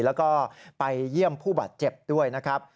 แล้วก็ไปเยี่ยมผู้บาดเจ็บด้วยนะครับ